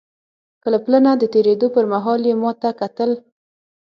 له پله نه د تېرېدو پر مهال یې ما ته کتل.